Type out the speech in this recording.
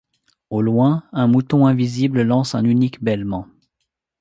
Au loin, un mouton invisible lance un unique bêlement.